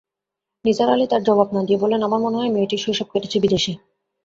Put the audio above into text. নিসার আলি তার জবাব না-দিয়ে বললেন, আমার মনে হয় মেয়েটির শৈশব কেটেছে বিদেশে।